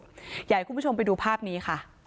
อยากให้คุณผู้ชมไปดูภาพนี้ค่ะ